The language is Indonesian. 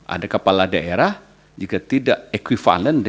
ada kepala daerah juga tidak equivalent dengan pasangan